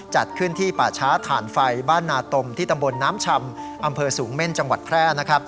จัดขึ้นที่ป่าช้าถ่านไฟบ้านนาตมที่ตำบลน้ำชำอำเภอสูงเม่นจังหวัดแพร่